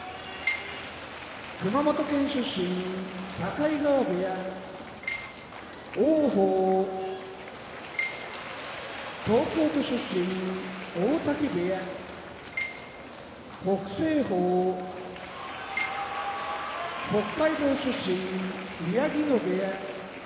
熊本県出身境川部屋王鵬東京都出身大嶽部屋北青鵬北海道出身宮城野部屋